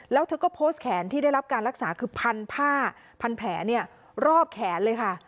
แล้วเธอก็โพสต์แขนที่ได้รับการรักษาคือพันผ้าพันแผลรอบแขนเลยค่ะ